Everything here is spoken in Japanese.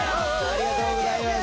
ありがとうございます。